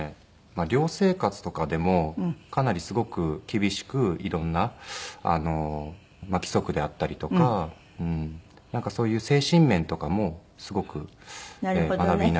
寮生活とかでもかなりすごく厳しく色んな規則であったりとかそういう精神面とかもすごく学びになりましたね。